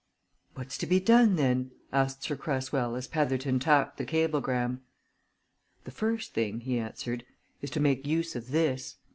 "What's to be done, then?" asked Sir Cresswell as Petherton tapped the cablegram. "The first thing," he answered, "is to make use of this.